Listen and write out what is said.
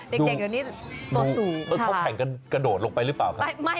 ดูเขาแข่งกระโดดลงไปหรือเปล่าคะที่ตัวสูงนี่ค่ะ